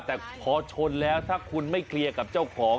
แต่พอชนแล้วถ้าคุณไม่เคลียร์กับเจ้าของ